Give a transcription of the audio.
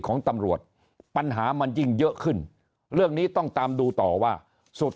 ของตำรวจปัญหามันยิ่งเยอะขึ้นเรื่องนี้ต้องตามดูต่อว่าสุด